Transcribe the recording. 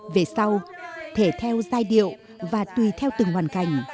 về sau thể theo giai điệu và tùy theo từng hoàn cảnh